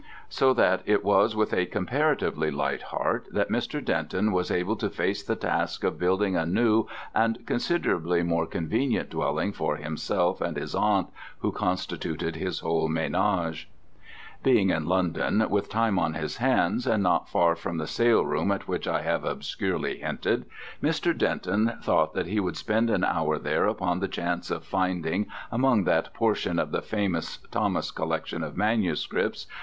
So that it was with a comparatively light heart that Mr. Denton was able to face the task of building a new and considerably more convenient dwelling for himself and his aunt who constituted his whole ménage. Being in London, with time on his hands, and not far from the sale room at which I have obscurely hinted, Mr. Denton thought that he would spend an hour there upon the chance of finding, among that portion of the famous Thomas collection of MSS.